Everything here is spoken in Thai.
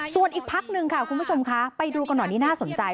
ส่วนอีกพักหนึ่งค่ะคุณผู้ชมคะไปดูกันหน่อยนี่น่าสนใจ